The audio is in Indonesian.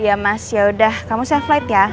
iya mas yaudah kamu saya flight ya